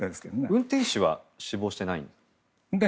運転手は死亡してないんですか。